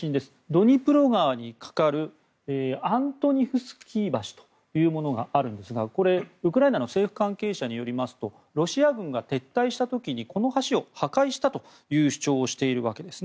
ドニプロ川に架かるアントニフスキー橋というものがあるんですがこれ、ウクライナの政府関係者によりますとロシア軍が撤退した時にこの橋を破壊したという主張をしているわけです。